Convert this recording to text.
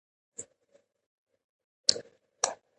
د افغانستان په منظره کې نورستان ښکاره ده.